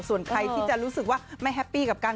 ส่วนใครที่จะรู้สึกว่าไม่แฮปปี้กับการ